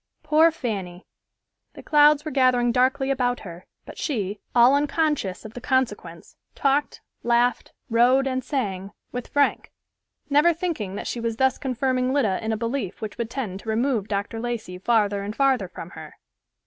Poor Fanny! The clouds were gathering darkly about her, but she, all unconscious of the consequence, talked, laughed, rode and sang with Frank, never thinking that she was thus confirming Lida in a belief which would tend to remove Dr. Lacey farther and farther from her.